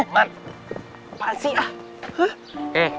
man apaan sih